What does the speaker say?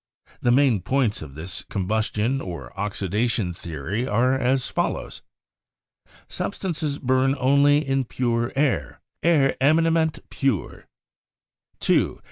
The main points of this combustion or oxidation theory are as follows: (1) Substances burn only in pure air ('air eminem ment pur').